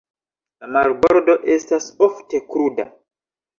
La marbordo estas ofte kruda.